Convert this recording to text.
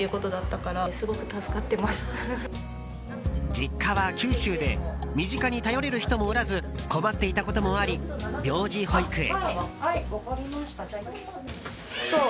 実家は九州で身近に頼れる人もおらず困っていたこともあり病児保育へ。